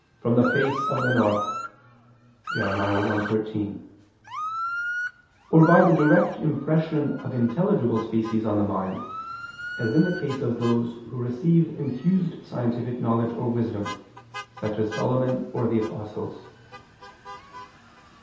. from the face of the north" (Jer. 1:13) or by the direct impression of intelligible species on the mind, as in the case of those who receive infused scientific knowledge or wisdom, such as Solomon or the apostles.